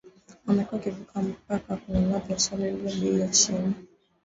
wamekuwa wakivuka mpaka kununua petroli iliyo bei ya chini